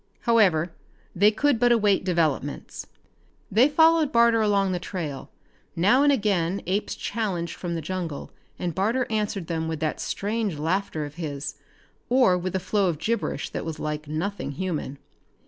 However, they could but await developments. They followed Barter along the trail. Now and again apes challenged from the jungle, and Barter answered them with that strange laughter of his, or with a flow of gibberish that was like nothing human.